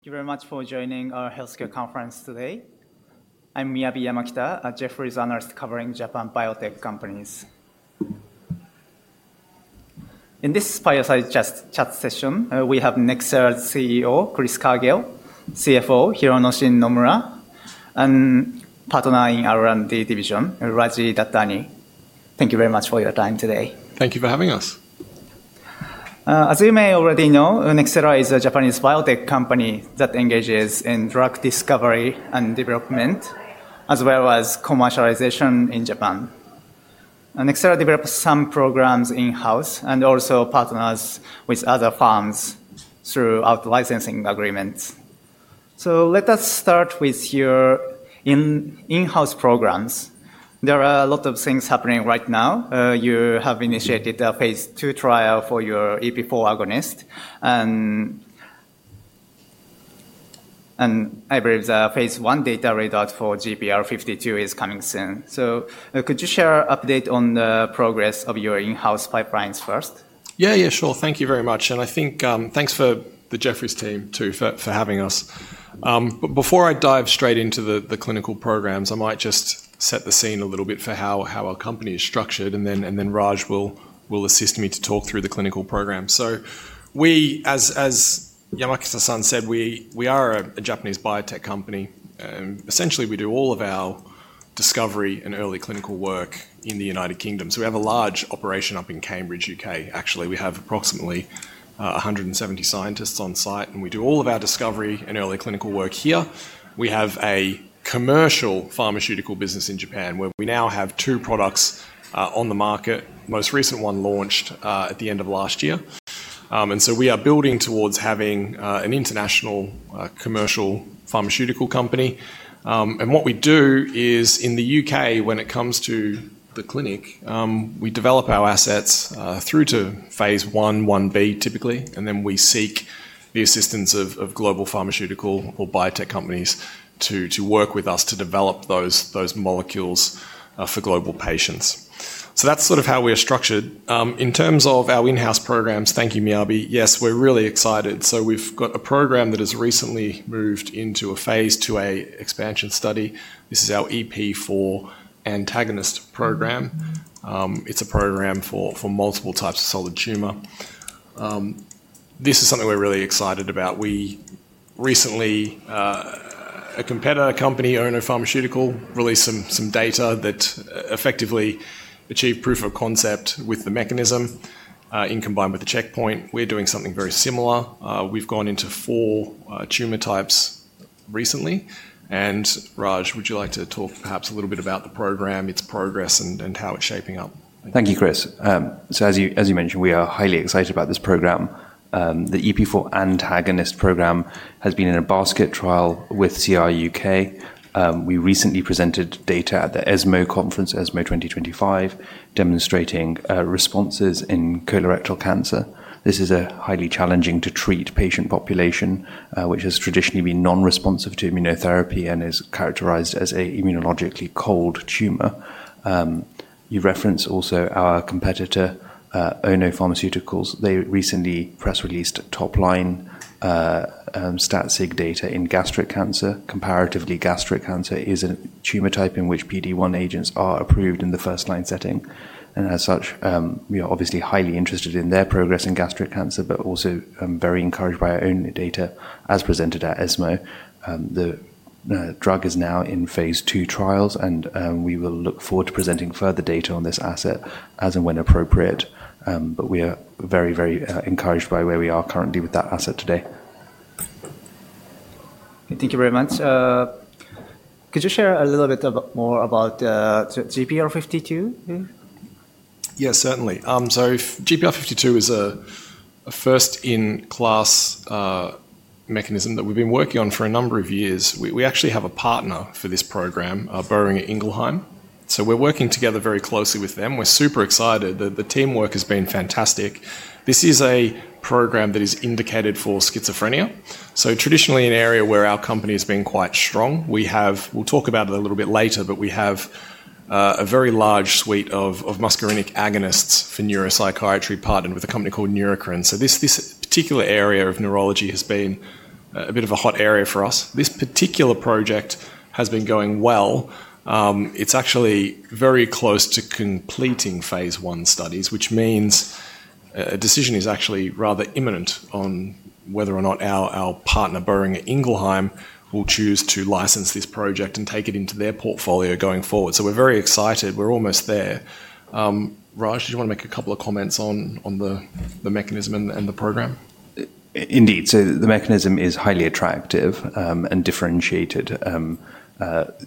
Thank you very much for joining our healthcare conference today. I'm Miyabi Yamakita, a Jefferies analyst covering Japan biotech companies. In this fireside chat session, we have Nxera CEO Chris Cargill, CFO Hironoshin Nomura, and partner in R&D division, Raj Dattani. Thank you very much for your time today. Thank you for having us. As you may already know, Nxera Pharma is a Japanese biotech company that engages in drug discovery and development, as well as commercialization in Japan. Nxera develops some programs in-house and also partners with other firms through licensing agreements. Let us start with your in-house programs. There are a lot of things happening right now. You have initiated a phase II trial for your EP4 agonist, and I believe the phase I data readout for GPR52 is coming soon. Could you share an update on the progress of your in-house pipelines first? Yeah, yeah, sure. Thank you very much. I think thanks for the Jefferies team too for having us. Before I dive straight into the clinical programs, I might just set the scene a little bit for how our company is structured, and then Raj will assist me to talk through the clinical program. As Yamakita-san said, we are a Japanese biotech company. Essentially, we do all of our discovery and early clinical work in the United Kingdom. We have a large operation up in Cambridge, U.K. Actually, we have approximately 170 scientists on site, and we do all of our discovery and early clinical work here. We have a commercial pharmaceutical business in Japan where we now have two products on the market. The most recent one launched at the end of last year. We are building towards having an international commercial pharmaceutical company. What we do is, in the U.K., when it comes to the clinic, we develop our assets through to phase I, I-B typically, and then we seek the assistance of global pharmaceutical or biotech companies to work with us to develop those molecules for global patients. That is sort of how we are structured. In terms of our in-house programs, thank you, Miyabi. Yes, we're really excited. We have got a program that has recently moved into a phase II expansion study. This is our EP4 antagonist program. It is a program for multiple types of solid tumor. This is something we are really excited about. Recently, a competitor company, Ono Pharmaceutical, released some data that effectively achieved proof of concept with the mechanism in combination with the checkpoint. We are doing something very similar. We've gone into four tumor types recently. Raj, would you like to talk perhaps a little bit about the program, its progress, and how it's shaping up? Thank you, Chris. As you mentioned, we are highly excited about this program. The EP4 antagonist program has been in a basket trial with CR UK. We recently presented data at the ESMO conference, ESMO 2025, demonstrating responses in colorectal cancer. This is a highly challenging to treat patient population, which has traditionally been non-responsive to immunotherapy and is characterized as an immunologically cold tumor. You referenced also our competitor, Ono Pharmaceutical. They recently press released top-line stat-sig data in gastric cancer. Comparatively, gastric cancer is a tumor type in which PD-1 agents are approved in the first-line setting. As such, we are obviously highly interested in their progress in gastric cancer, but also very encouraged by our own data as presented at ESMO. The drug is now in phase II trials, and we will look forward to presenting further data on this asset as and when appropriate. We are very, very encouraged by where we are currently with that asset today. Thank you very much. Could you share a little bit more about GPR52? Yeah, certainly. GPR52 is a first-in-class mechanism that we've been working on for a number of years. We actually have a partner for this program, Boehringer Ingelheim. We're working together very closely with them. We're super excited. The teamwork has been fantastic. This is a program that is indicated for schizophrenia. Traditionally, an area where our company has been quite strong, we have, we'll talk about it a little bit later, but we have a very large suite of muscarinic agonists for neuropsychiatry partnered with a company called Neurocrine. This particular area of neurology has been a bit of a hot area for us. This particular project has been going well. It's actually very close to completing phase I studies, which means a decision is actually rather imminent on whether or not our partner, Boehringer Ingelheim, will choose to license this project and take it into their portfolio going forward. We are very excited. We are almost there. Raj, do you want to make a couple of comments on the mechanism and the program? Indeed. The mechanism is highly attractive and differentiated.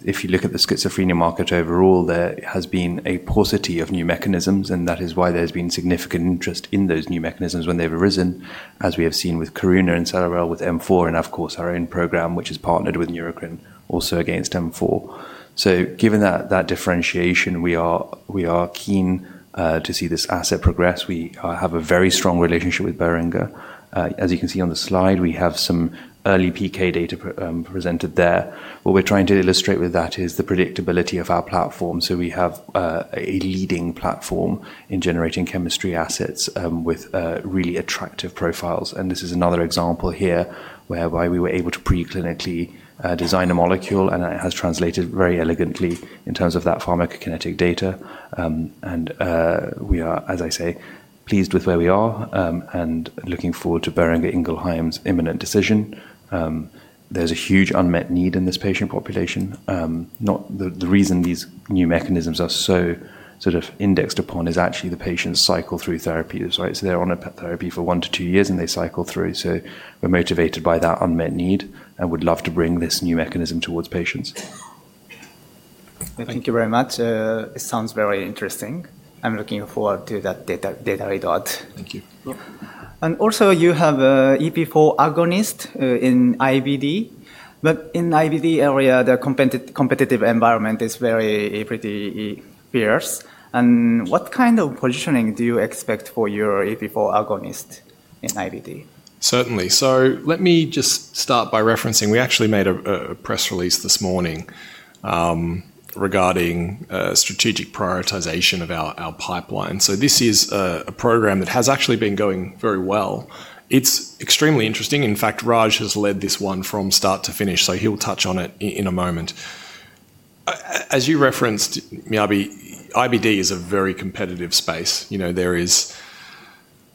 If you look at the schizophrenia market overall, there has been a paucity of new mechanisms, and that is why there's been significant interest in those new mechanisms when they've arisen, as we have seen with Karuna and Cerevel with M4, and of course our own program, which is partnered with Neurocrine, also against M4. Given that differentiation, we are keen to see this asset progress. We have a very strong relationship with Boehringer. As you can see on the slide, we have some early PK data presented there. What we're trying to illustrate with that is the predictability of our platform. We have a leading platform in generating chemistry assets with really attractive profiles. This is another example here whereby we were able to preclinically design a molecule, and it has translated very elegantly in terms of that pharmacokinetic data. We are, as I say, pleased with where we are and looking forward to Boehringer Ingelheim's imminent decision. There is a huge unmet need in this patient population. The reason these new mechanisms are so sort of indexed upon is actually the patients cycle through therapy. They are on a therapy for one to two years, and they cycle through. We are motivated by that unmet need and would love to bring this new mechanism towards patients. Thank you very much. It sounds very interesting. I'm looking forward to that data readout. Thank you. You also have EP4 agonist in IBD. In IBD area, the competitive environment is pretty fierce. What kind of positioning do you expect for your EP4 agonist in IBD? Certainly. Let me just start by referencing, we actually made a press release this morning regarding strategic prioritization of our pipeline. This is a program that has actually been going very well. It's extremely interesting. In fact, Raji has led this one from start to finish, so he'll touch on it in a moment. As you referenced, Miyabi, IBD is a very competitive space. There are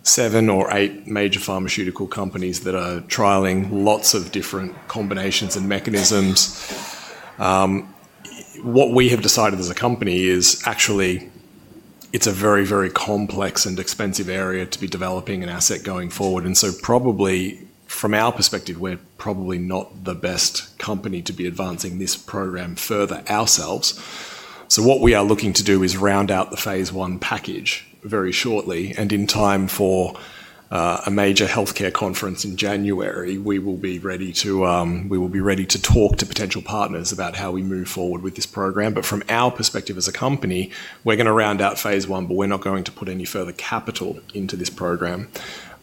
seven or eight major pharmaceutical companies that are trialing lots of different combinations and mechanisms. What we have decided as a company is actually it's a very, very complex and expensive area to be developing an asset going forward. Probably from our perspective, we're probably not the best company to be advancing this program further ourselves. What we are looking to do is round out the phase I package very shortly. In time for a major healthcare conference in January, we will be ready to talk to potential partners about how we move forward with this program. From our perspective as a company, we're going to round out phase I, but we're not going to put any further capital into this program.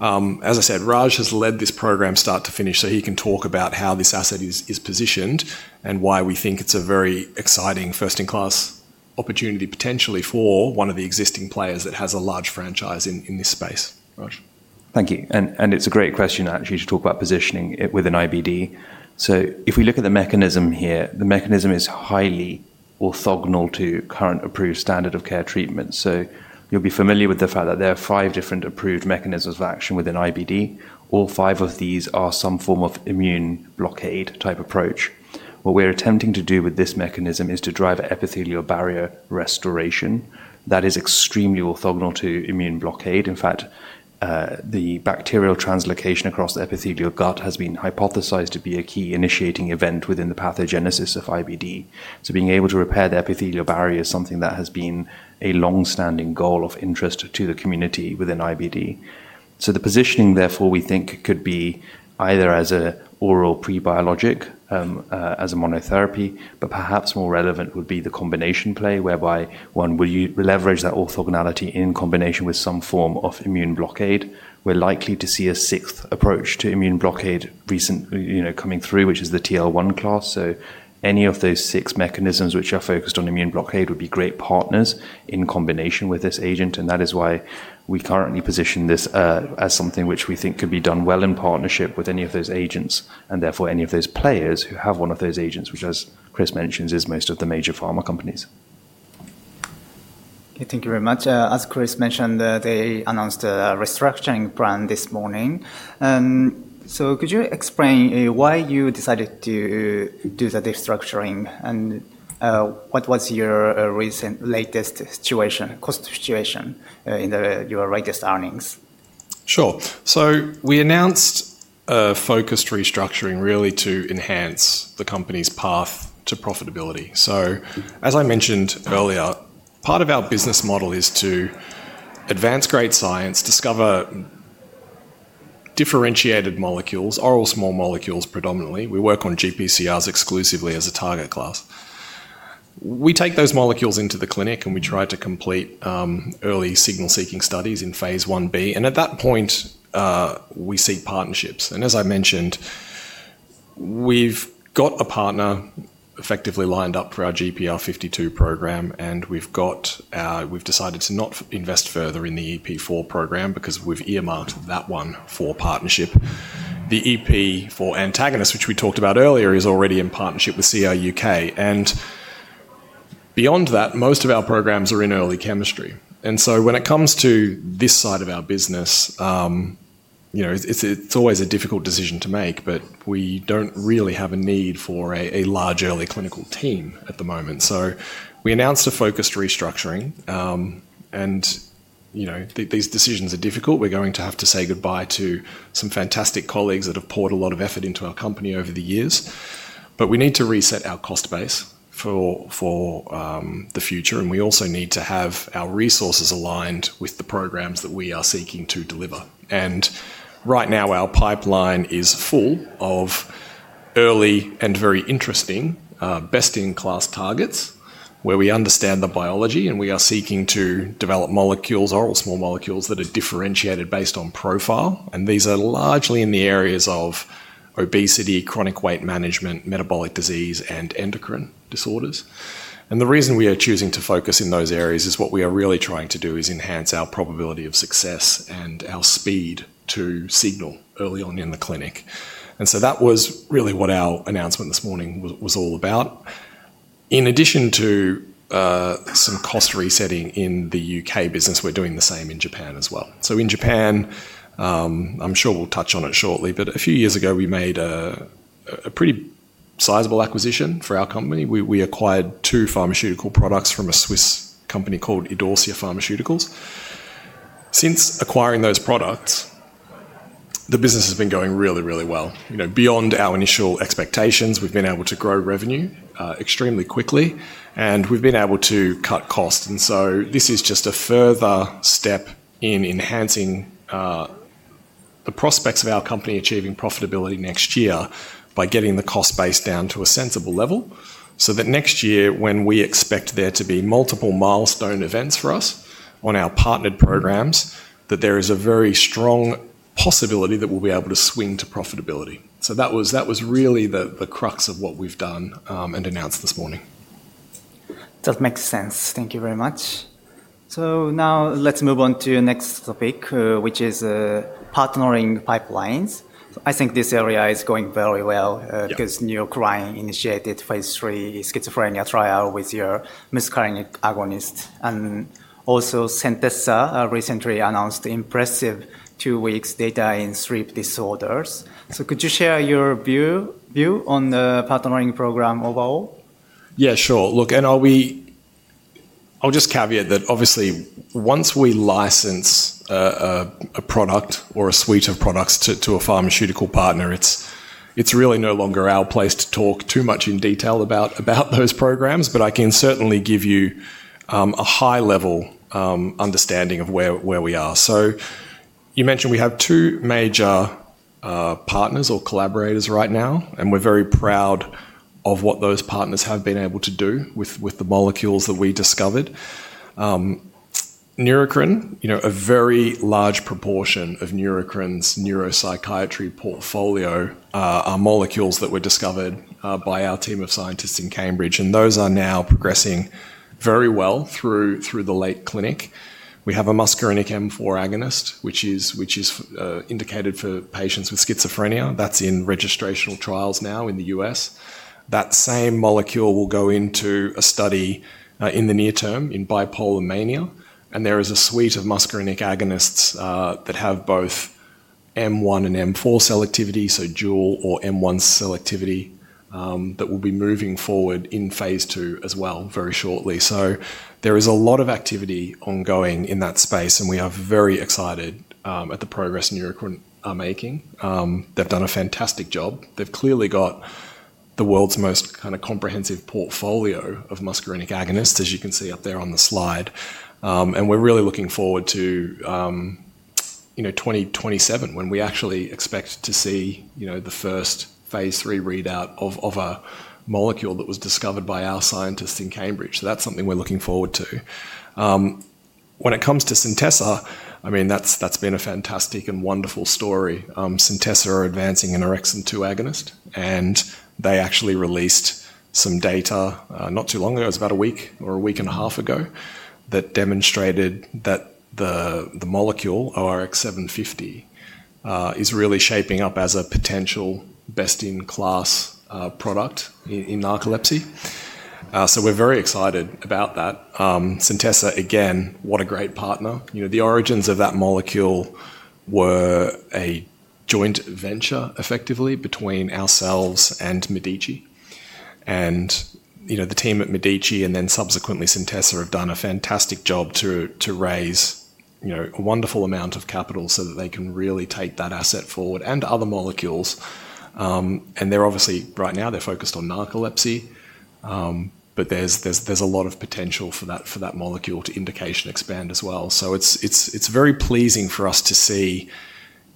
As I said, Raji has led this program start to finish, so he can talk about how this asset is positioned and why we think it's a very exciting first-in-class opportunity potentially for one of the existing players that has a large franchise in this space. Thank you. It's a great question actually to talk about positioning within IBD. If we look at the mechanism here, the mechanism is highly orthogonal to current approved standard of care treatments. You'll be familiar with the fact that there are five different approved mechanisms of action within IBD. All five of these are some form of immune blockade type approach. What we're attempting to do with this mechanism is to drive epithelial barrier restoration. That is extremely orthogonal to immune blockade. In fact, the bacterial translocation across the epithelial gut has been hypothesized to be a key initiating event within the pathogenesis of IBD. Being able to repair the epithelial barrier is something that has been a long-standing goal of interest to the community within IBD. The positioning therefore we think could be either as an oral prebiologic as a monotherapy, but perhaps more relevant would be the combination play whereby one will leverage that orthogonality in combination with some form of immune blockade. We are likely to see a sixth approach to immune blockade recently coming through, which is the TL1A class. Any of those six mechanisms which are focused on immune blockade would be great partners in combination with this agent. That is why we currently position this as something which we think could be done well in partnership with any of those agents and therefore any of those players who have one of those agents, which as Chris mentioned, is most of the major pharma companies. Thank you very much. As Chris mentioned, they announced a restructuring plan this morning. Could you explain why you decided to do the restructuring and what was your latest situation, cost situation in your latest earnings? Sure. We announced focused restructuring really to enhance the company's path to profitability. As I mentioned earlier, part of our business model is to advance great science, discover differentiated molecules, oral small molecules predominantly. We work on GPCRs exclusively as a target class. We take those molecules into the clinic and we try to complete early signal-seeking studies in phase I-B. At that point, we seek partnerships. As I mentioned, we've got a partner effectively lined up for our GPR52 program, and we've decided to not invest further in the EP4 program because we've earmarked that one for partnership. The EP4 antagonist, which we talked about earlier, is already in partnership with CR UK. Beyond that, most of our programs are in early chemistry. When it comes to this side of our business, it's always a difficult decision to make, but we don't really have a need for a large early clinical team at the moment. We announced a focused restructuring. These decisions are difficult. We're going to have to say goodbye to some fantastic colleagues that have poured a lot of effort into our company over the years. We need to reset our cost base for the future. We also need to have our resources aligned with the programs that we are seeking to deliver. Right now, our pipeline is full of early and very interesting best-in-class targets where we understand the biology and we are seeking to develop molecules, oral small molecules that are differentiated based on profile. These are largely in the areas of obesity, chronic weight management, metabolic disease, and endocrine disorders. The reason we are choosing to focus in those areas is what we are really trying to do is enhance our probability of success and our speed to signal early on in the clinic. That was really what our announcement this morning was all about. In addition to some cost resetting in the U.K. business, we're doing the same in Japan as well. In Japan, I'm sure we'll touch on it shortly, but a few years ago, we made a pretty sizable acquisition for our company. We acquired two pharmaceutical products from a Swiss company called Idorsia Pharmaceuticals. Since acquiring those products, the business has been going really, really well. Beyond our initial expectations, we've been able to grow revenue extremely quickly, and we've been able to cut costs. This is just a further step in enhancing the prospects of our company achieving profitability next year by getting the cost base down to a sensible level so that next year when we expect there to be multiple milestone events for us on our partnered programs, there is a very strong possibility that we'll be able to swing to profitability. That was really the crux of what we've done and announced this morning. That makes sense. Thank you very much. Now let's move on to the next topic, which is partnering pipelines. I think this area is going very well because Neurocrine initiated phase III schizophrenia trial with your muscarinic agonist. Also, Centessa recently announced impressive two-week data in sleep disorders. Could you share your view on the partnering program overall? Yeah, sure. Look, and I'll just caveat that obviously once we license a product or a suite of products to a pharmaceutical partner, it's really no longer our place to talk too much in detail about those programs, but I can certainly give you a high-level understanding of where we are. You mentioned we have two major partners or collaborators right now, and we're very proud of what those partners have been able to do with the molecules that we discovered. Neurocrine, a very large proportion of Neurocrine's neuropsychiatry portfolio are molecules that were discovered by our team of scientists in Cambridge, and those are now progressing very well through the late clinic. We have a muscarinic M4 agonist, which is indicated for patients with schizophrenia. That's in registrational trials now in the U.S. That same molecule will go into a study in the near term in bipolar mania. There is a suite of muscarinic agonists that have both M1 and M4 selectivity, so dual or M1 selectivity that will be moving forward in phase II as well very shortly. There is a lot of activity ongoing in that space, and we are very excited at the progress Neurocrine are making. They've done a fantastic job. They've clearly got the world's most kind of comprehensive portfolio of muscarinic agonists, as you can see up there on the slide. We are really looking forward to 2027 when we actually expect to see the first phase III readout of a molecule that was discovered by our scientists in Cambridge. That's something we're looking forward to. When it comes to Centessa, I mean, that's been a fantastic and wonderful story. Centessa are advancing an OX2R agonist, and they actually released some data not too long ago, it was about a week or a week and a half ago that demonstrated that the molecule ORX750 is really shaping up as a potential best-in-class product in narcolepsy. We are very excited about that. Centessa, again, what a great partner. The origins of that molecule were a joint venture effectively between ourselves and Medici. The team at Medici and then subsequently Centessa have done a fantastic job to raise a wonderful amount of capital so that they can really take that asset forward and other molecules. They are obviously right now focused on narcolepsy, but there is a lot of potential for that molecule to indication expand as well. It's very pleasing for us to see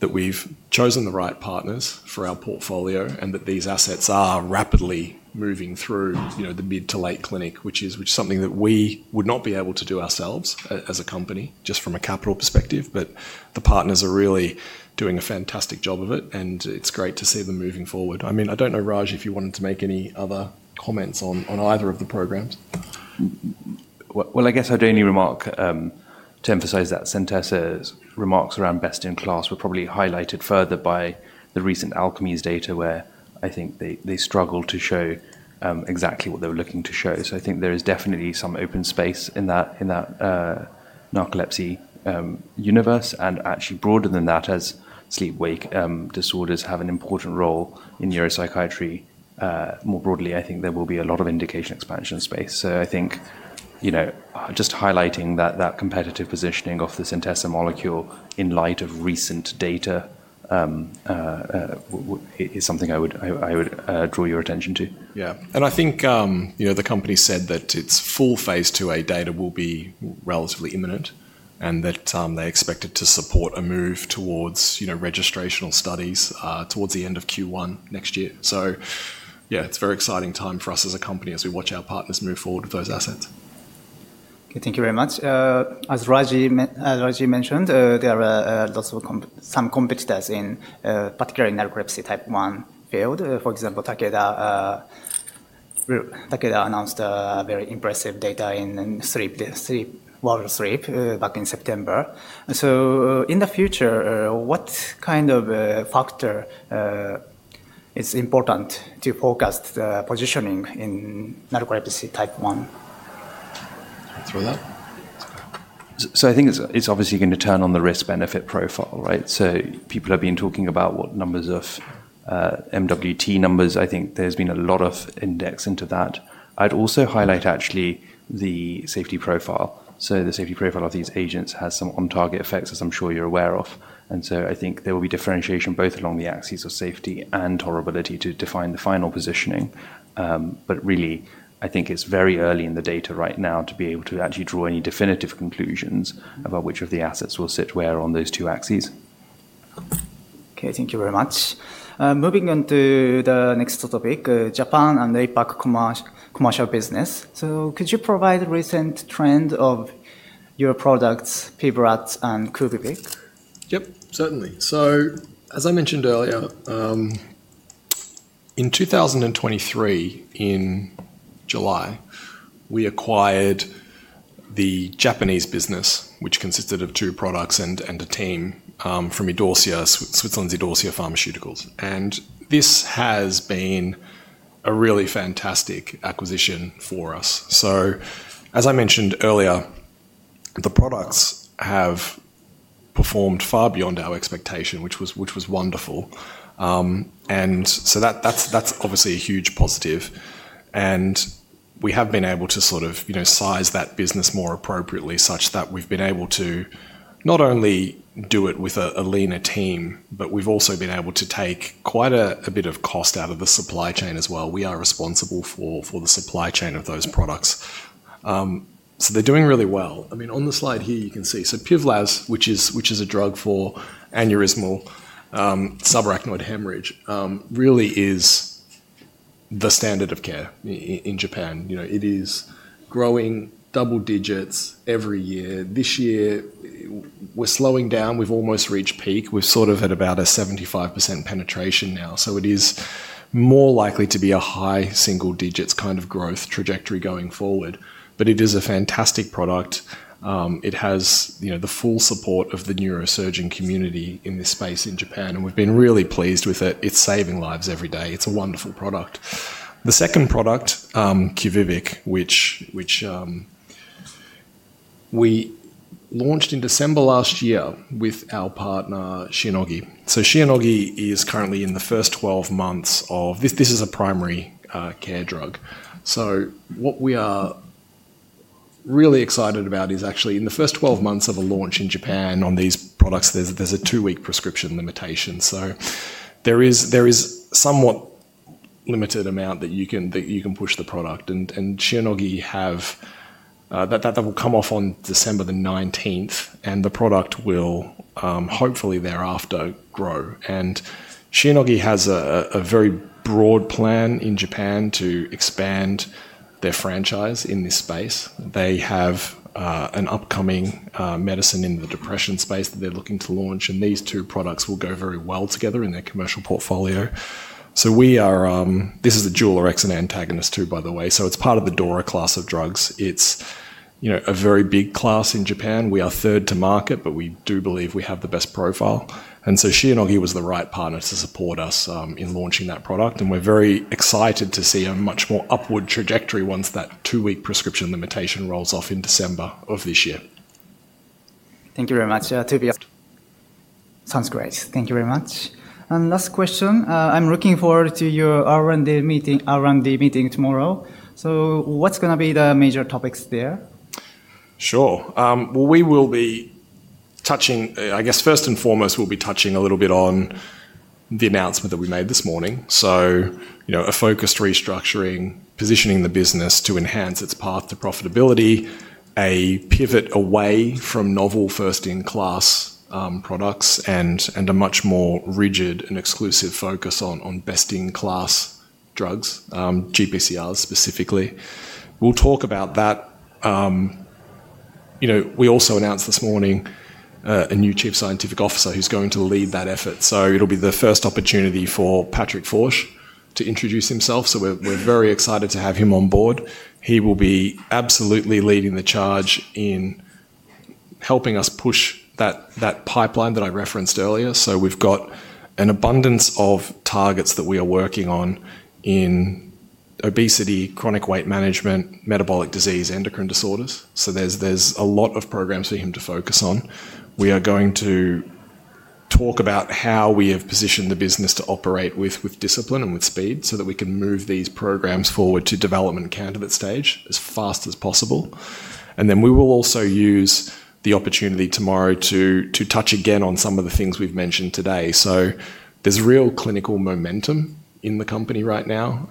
that we've chosen the right partners for our portfolio and that these assets are rapidly moving through the mid to late clinic, which is something that we would not be able to do ourselves as a company just from a capital perspective. The partners are really doing a fantastic job of it, and it's great to see them moving forward. I mean, I don't know, Raj, if you wanted to make any other comments on either of the programs. I guess I'd only remark to emphasize that Centessa's remarks around best-in-class were probably highlighted further by the recent alchemies data where I think they struggled to show exactly what they were looking to show. I think there is definitely some open space in that narcolepsy universe. Actually, broader than that, as sleep-wake disorders have an important role in neuropsychiatry more broadly, I think there will be a lot of indication expansion space. I think just highlighting that competitive positioning of the Centessa molecule in light of recent data is something I would draw your attention to. Yeah. I think the company said that its full phase II-A data will be relatively imminent and that they expect it to support a move towards registrational studies towards the end of Q1 next year. Yeah, it's a very exciting time for us as a company as we watch our partners move forward with those assets. Thank you very much. As Raji mentioned, there are some competitors, particularly in narcolepsy type one field. For example, Takeda announced very impressive data in sleep, oral sleep, back in September. In the future, what kind of factor is important to focus the positioning in narcolepsy type one? I think it's obviously going to turn on the risk-benefit profile, right? People have been talking about what numbers of MWT numbers. I think there's been a lot of index into that. I'd also highlight actually the safety profile. The safety profile of these agents has some on-target effects, as I'm sure you're aware of. I think there will be differentiation both along the axes of safety and tolerability to define the final positioning. Really, I think it's very early in the data right now to be able to actually draw any definitive conclusions about which of the assets will sit where on those two axes. Okay, thank you very much. Moving on to the next topic, Japan and APAC commercial business. Could you provide a recent trend of your products, PIVLAZ and QUVIVIQ? Yep, certainly. As I mentioned earlier, in 2023, in July, we acquired the Japanese business, which consisted of two products and a team from Switzerland's Idorsia Pharmaceuticals. This has been a really fantastic acquisition for us. As I mentioned earlier, the products have performed far beyond our expectation, which was wonderful. That is obviously a huge positive. We have been able to sort of size that business more appropriately such that we've been able to not only do it with a leaner team, but we've also been able to take quite a bit of cost out of the supply chain as well. We are responsible for the supply chain of those products. They're doing really well. I mean, on the slide here, you can see PIVLAZ, which is a drug for aneurysmal subarachnoid hemorrhage, really is the standard of care in Japan. It is growing double digits every year. This year, we're slowing down. We've almost reached peak. We're sort of at about a 75% penetration now. It is more likely to be a high single-digits kind of growth trajectory going forward. It is a fantastic product. It has the full support of the neurosurgeon community in this space in Japan, and we've been really pleased with it. It's saving lives every day. It's a wonderful product. The second product, QUVIVIQ, which we launched in December last year with our partner, Shionogi. Shionogi is currently in the first 12 months of this. It is a primary care drug. What we are really excited about is actually in the first 12 months of a launch in Japan on these products, there's a two-week prescription limitation. There is a somewhat limited amount that you can push the product. Shionogi have that will come off on December the 19th, and the product will hopefully thereafter grow. Shionogi has a very broad plan in Japan to expand their franchise in this space. They have an upcoming medicine in the depression space that they're looking to launch. These two products will go very well together in their commercial portfolio. This is a dual orexin antagonist too, by the way. It is part of the DORA class of drugs. It is a very big class in Japan. We are third to market, but we do believe we have the best profile. Shionogi was the right partner to support us in launching that product. We are very excited to see a much more upward trajectory once that two-week prescription limitation rolls off in December of this year. Thank you very much. Sounds great. Thank you very much. Last question, I'm looking forward to your R&D meeting tomorrow. What's going to be the major topics there? Sure. We will be touching, I guess first and foremost, we'll be touching a little bit on the announcement that we made this morning. A focused restructuring, positioning the business to enhance its path to profitability, a pivot away from novel first-in-class products, and a much more rigid and exclusive focus on best-in-class drugs, GPCRs specifically. We'll talk about that. We also announced this morning a new Chief Scientific Officer who's going to lead that effort. It will be the first opportunity for Patrick Forge to introduce himself. We are very excited to have him on board. He will be absolutely leading the charge in helping us push that pipeline that I referenced earlier. We have got an abundance of targets that we are working on in obesity, chronic weight management, metabolic disease, endocrine disorders. There are a lot of programs for him to focus on. We are going to talk about how we have positioned the business to operate with discipline and with speed so that we can move these programs forward to development candidate stage as fast as possible. We will also use the opportunity tomorrow to touch again on some of the things we've mentioned today. There is real clinical momentum in the company right now.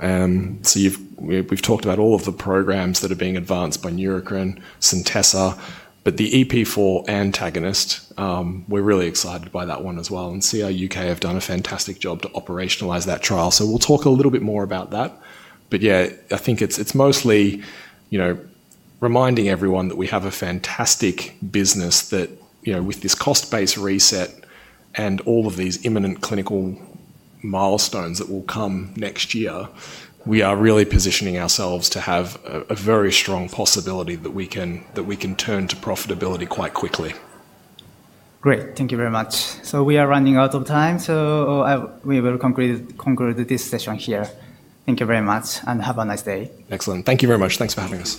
We have talked about all of the programs that are being advanced by Neurocrine Biosciences, Centessa, but the EP4 antagonist, we're really excited by that one as well. CR UK have done a fantastic job to operationalize that trial. We will talk a little bit more about that. Yeah, I think it's mostly reminding everyone that we have a fantastic business that with this cost-based reset and all of these imminent clinical milestones that will come next year, we are really positioning ourselves to have a very strong possibility that we can turn to profitability quite quickly. Great. Thank you very much. We are running out of time, so we will conclude this session here. Thank you very much and have a nice day. Excellent. Thank you very much. Thanks for having us.